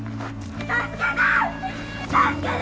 助けて！